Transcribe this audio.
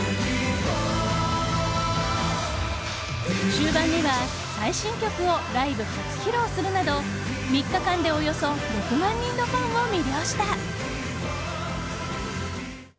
終盤には最新曲をライブ初披露するなど３日間でおよそ６万人のファンを魅了した。